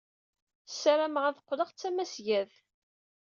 Ssarameɣ ad qqleɣ d tamasgadt.